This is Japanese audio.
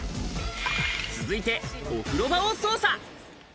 続いて、お風呂場を捜査。